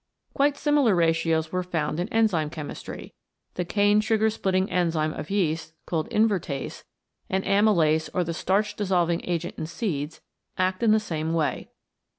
Quite similar ratios were found in enzyme chemistry. The cane sugar splitting enzyme of yeast, called Invertase, and Amylase or the starch dissolving agent in seeds, act in the same way.